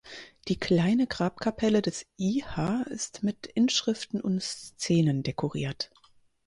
Die kleine Grabkapelle des Iha ist mit Inschriften und Szenen dekoriert.